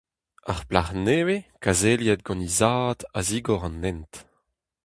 Ar plac'h-nevez, kazeliet gant he zad, a zigor an hent.